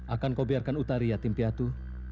akan kau biarkan utari ya timpiatu